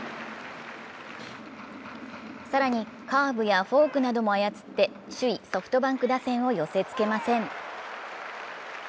更に、カーブやフォークなども操って首位・ソフトバンク打線を寄せつけません。